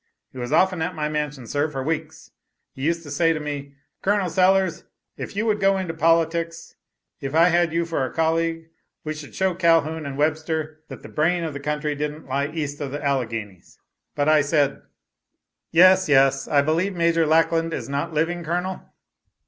He was often at my mansion sir, for weeks. He used to say to me, 'Col. Sellers, if you would go into politics, if I had you for a colleague, we should show Calhoun and Webster that the brain of the country didn't lie east of the Alleganies. But I said " "Yes, yes. I believe Major Lackland is not living, Colonel?"